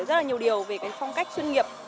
rất nhiều điều về phong cách chuyên nghiệp